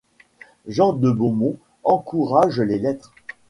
Jean de Beaumont encourage les lettres.